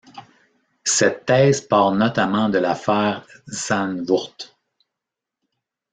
Cette thèse part notamment de l'affaire Zandvoort.